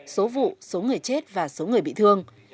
số vụ số người chết và số người bị thương